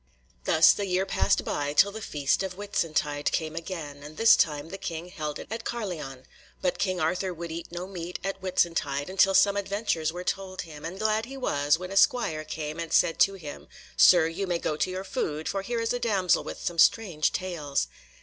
Thus the year passed by till the feast of Whitsuntide came again, and this time the king held it at Carlion. But King Arthur would eat no meat at Whitsuntide till some adventures were told him, and glad was he when a squire came and said to him, "Sir you may go to your food, for here is a damsel with some strange tales."